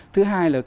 thứ hai là